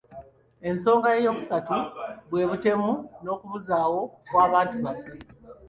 Ensoga eyokusatu, bwe butemu n'okubuzaawo kw'abantu baffe.